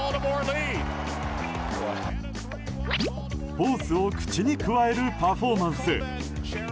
ホースを口にくわえるパフォーマンス。